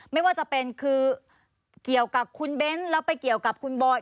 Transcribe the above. ไม่ว่าจะเป็นคือเกี่ยวกับคุณเบ้นแล้วไปเกี่ยวกับคุณบอย